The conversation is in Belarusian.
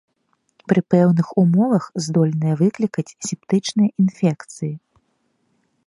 Пры пэўных умовах здольныя выклікаць септычныя інфекцыі.